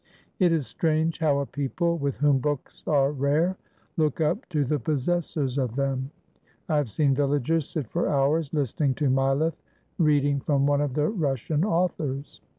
It is strange how a people with whom books are rare look up to the possessors of them. I have seen villagers sit for hours, listening to Mileff reading from one of the Russian authors.